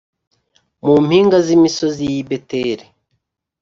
Mu mpinga z’imisozi y’i Beteri